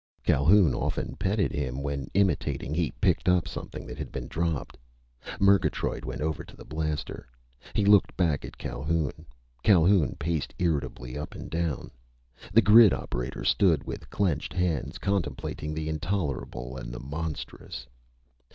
Calhoun often petted him when, imitating, he picked up something that had been dropped. Murgatroyd went over to the blaster. He looked back at Calhoun. Calhoun paced irritably up and down. The grid operator stood with clenched hands, contemplating the intolerable and the monstrous.